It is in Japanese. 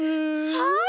はい！